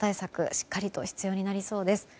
しっかりと必要になりそうです。